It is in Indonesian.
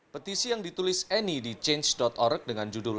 petisi yang ditulis annie di change org dengan judul